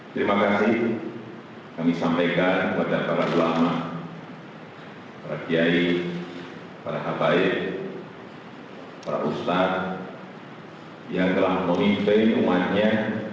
terima kasih kami sampaikan kepada para ulama para kiai para habaib para ustadz yang telah memimpin umatnya